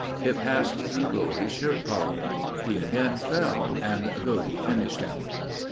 It passed through Godey's shirt collar. He again fell and Godey finished him."